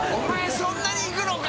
そんなにいくのか？